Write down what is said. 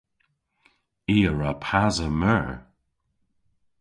I a wra pasa meur.